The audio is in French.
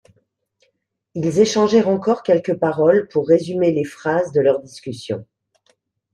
Ils échangèrent encore quelques paroles pour résumer les phases de leur discussion.